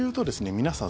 皆さん